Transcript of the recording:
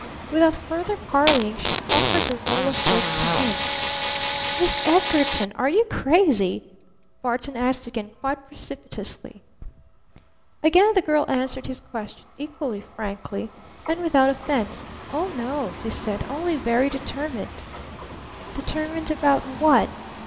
Without further parleying she proffered the roll of bills to him. "Miss Edgarton! Are you crazy?" Barton asked again quite precipitously. Again the girl answered his question equally frankly, and without offense. "Oh, no," she said. "Only very determined." "Determined about what?"